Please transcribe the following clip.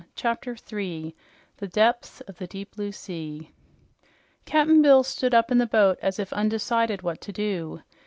CHAPTER 3 THE DEPTHS OF THE DEEP BLUE SEA Cap'n Bill stood up in the boat as if undecided what to do.